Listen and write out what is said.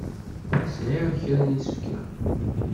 Sɛiɣ kra n yisefka.